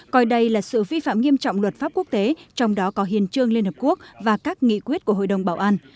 coi đây là sự vi phạm nghiêm trọng luật pháp quốc tế trong đó có hiền trương liên hợp quốc và các nghị quyết của hội đồng bảo an